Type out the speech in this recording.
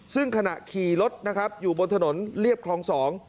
ซึ่งขณะขี่รถนะครับอยู่บนถนนเรียบคลอง๒